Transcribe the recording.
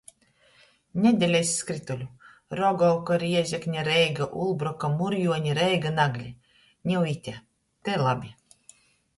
Nedeļa iz skrytuļu: Rogovka-Rēzekne-Reiga-Ulbroka-Murjuoni-Reiga-Nagli. Niu ite. Te labi.